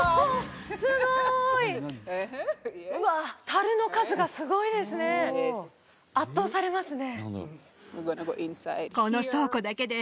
すごいうわたるの数がすごいですね圧倒されますね